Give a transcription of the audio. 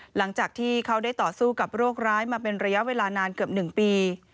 หลังจากที่เขาได้ต่อสู้กับโรคร้ายมาเป็นระยะเวลานานเกือบ๑ปี